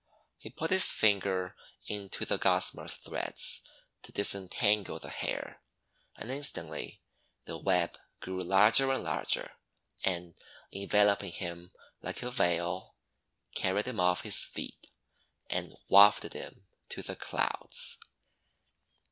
He put his finger into the gossamer threads to disentangle the hair, and instantly the web grew larger and larger, and, enveloping him like a veil, carried him off his feet, and wafted him to the Clouds.